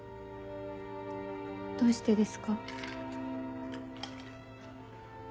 どうしてですか？